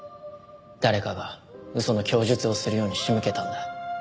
誰かが嘘の供述をするように仕向けたんだ。